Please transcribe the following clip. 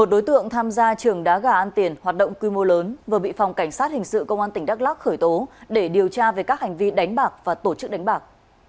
một đối tượng tham gia trường đá gà ăn tiền hoạt động quy mô lớn vừa bị phòng cảnh sát hình sự công an tỉnh đắk lắc khởi tố để điều tra về các hành vi đánh bạc và tổ chức đánh bạc